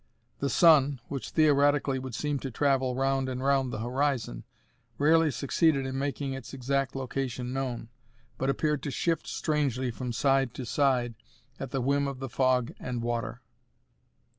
The sun, which theoretically would seem to travel round and round the horizon, rarely succeeded in making its exact location known, but appeared to shift strangely from side to side at the whim of the fog and water.